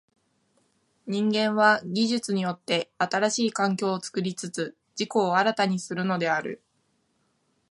人間は技術によって新しい環境を作りつつ自己を新たにするのである。